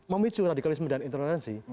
memicu radikalisme dan intoleransi